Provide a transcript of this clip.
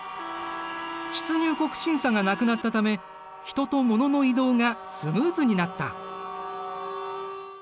出入国審査がなくなったため人と物の移動がスムーズになった。